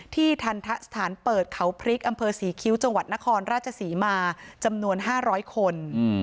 ทันทะสถานเปิดเขาพริกอำเภอศรีคิ้วจังหวัดนครราชศรีมาจำนวน๕๐๐คน